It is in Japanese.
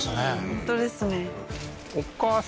本当ですね